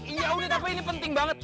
iya uni tapi ini penting banget